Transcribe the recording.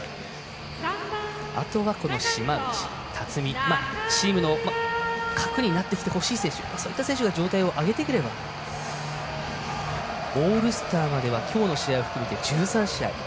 あとは、島内、辰己チームの核になってきてほしい選手そういった選手が状態を上げてくればオールスターまでは今日の試合を含めて１３試合。